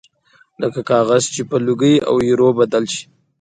لکه کاغذ چې په لوګي او ایرو بدل شي